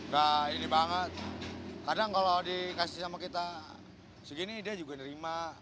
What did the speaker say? nah ini banget kadang kalau dikasih sama kita segini dia juga nerima